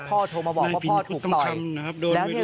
พ่อโทรมาบอกว่าว่าพ่อถูกต่อย